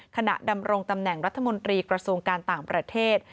ดำรงตำแหน่งรัฐมนตรีกระทรวงการต่างประเทศ